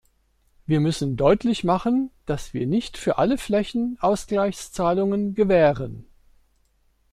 Wir müssen deutlich machen, dass wir nicht für alle Flächen Ausgleichszahlungen gewähren.